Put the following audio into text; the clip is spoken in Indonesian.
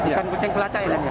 bukan kucing pelacak ya